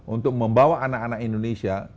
untuk membawa anak anak indonesia